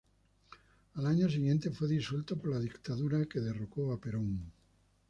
Al año siguiente fue disuelto por la dictadura que derrocó a Perón.